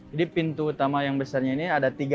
jadi pintu utama yang besarnya ini ada tiga